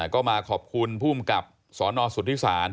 ก็มาขอบคุณพุ่มกับสอนรสุทธิศาสตร์